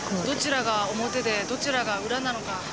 どちらが表でどちらが裏なのか。